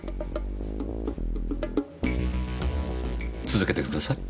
続けてください。